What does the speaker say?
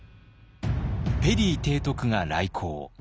ペリー提督が来航。